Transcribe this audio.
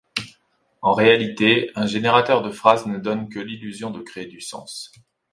En réalité, un générateur de phrases ne donne que l'illusion de créer du sens.